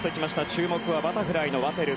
注目はバタフライのワテル。